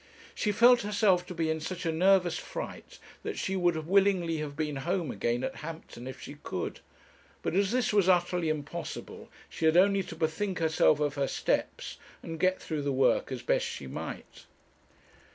She felt herself to be in such a nervous fright that she would willingly have been home again at Hampton if she could; but as this was utterly impossible, she had only to bethink herself of her steps, and get through the work as best she might.